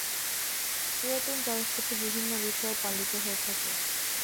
পুরাতন সংস্কৃতির বিভিন্ন বিষয় পালিত হয়ে থাকে।